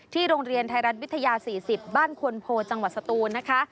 ที่โรงเรียนไทยรัฐวิทยา๔๐บ้านควนโพธิ์จังหวัดสตูน